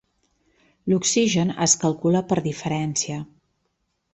L'oxigen es calcula per diferència.